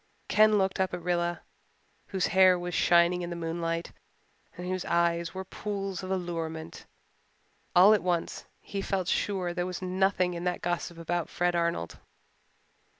Ken looked up at Rilla, whose hair was shining in the moonlight and whose eyes were pools of allurement. All at once he felt sure there was nothing in that gossip about Fred Arnold.